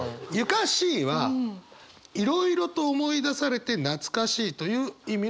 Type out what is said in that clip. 「床しい」はいろいろと思い出されてなつかしいという意味の言葉です。